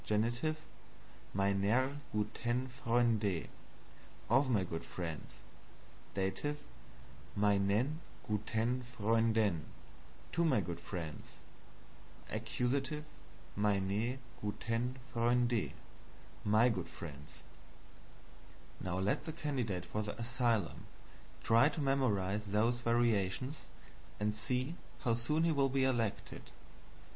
MeinER gutEN FreundE, of my good friends. D. MeinEN gutEN FreundEN, to my good friends. A. MeinE gutEN FreundE, my good friends. Now let the candidate for the asylum try to memorize those variations, and see how soon he will be elected.